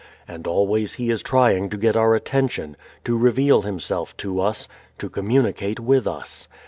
And always He is trying to get our attention, to reveal Himself to us, to communicate with us.